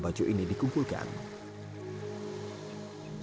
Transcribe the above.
air ke udara